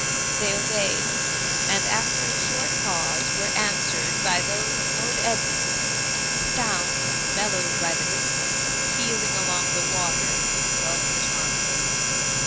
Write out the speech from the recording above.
They obeyed, and after a short pause were answered by those of Lord Edmund; the sound, mellow< ed by the distance, pealing along the water in dulcet harmony.